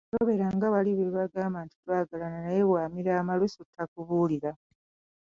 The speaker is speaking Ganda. Tobeera nga bali be bagamba nti, “Twagalana naye nga bw'amira amalusu takubuulira”